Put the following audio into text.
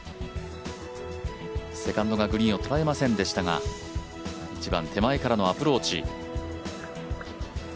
セカンドがグリーンを捉えませんでしたが１番、手前からのアプローチ。